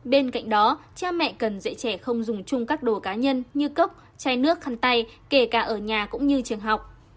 bên cạnh đó cha mẹ cần dạy trẻ không dùng chung các đồ cá nhân như cốc chai nước khăn tay kể cả ở nhà cũng như trường học